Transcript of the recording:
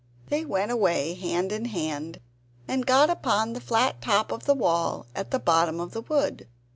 They went away hand in hand, and got upon the flat top of the wall at the bottom of the wood.